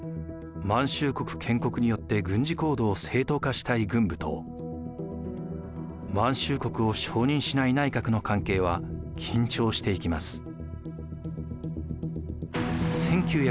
満州国建国によって軍事行動を正当化したい軍部と満州国を承認しない内閣の関係は緊張していきます。